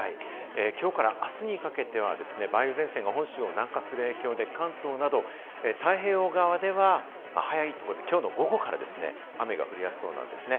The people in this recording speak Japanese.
きょうからあすにかけては梅雨前線が本州を南下する影響で関東など太平洋側では早いところできょうの午後からですね、雨が降りやすそうなんですね。